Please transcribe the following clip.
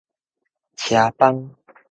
車幫